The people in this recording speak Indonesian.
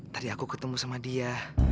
tadi aku ketemu sama dia